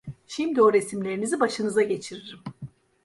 Şimdi o resimlerinizi başınıza geçiririm!